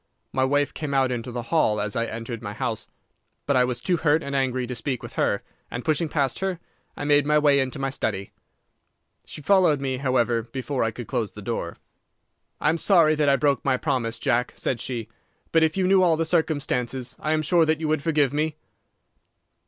My wife came out into the hall as I entered my house; but I was too hurt and angry to speak with her, and pushing past her, I made my way into my study. She followed me, however, before I could close the door. "'I am sorry that I broke my promise, Jack,' said she; 'but if you knew all the circumstances I am sure that you would forgive me.